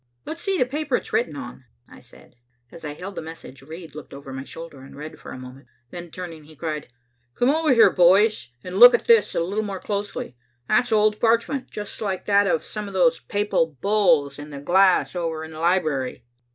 "Let's see the paper it's written on," I said. As I held the message, Reid looked over my shoulder and read for a moment. Then, turning, he cried, "Come over here, boys, and look at this a little more closely. That's old parchment, just like that of some of those papal bulls in the glass cases over in the library."